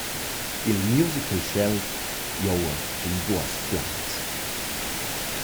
Il musical schelt giova sün duos plans.